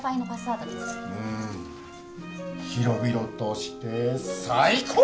広々として最高！